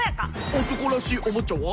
おとこらしいおもちゃは？